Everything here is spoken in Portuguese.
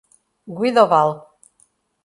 Guidoval